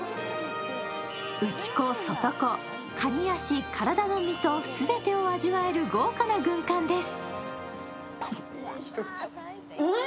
内子、外子、かに足など、全てを味わえる豪華な軍艦です。